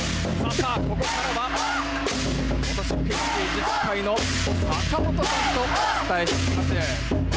ここからは本石灰町自治会長の坂本さんとお伝えしていきます。